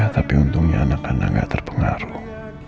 ya tapi untungnya anak anak gak terpengaruh